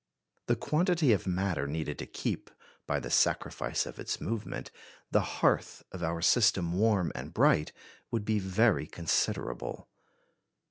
The quantity of matter needed to keep, by the sacrifice of its movement, the hearth of our system warm and bright would be very considerable.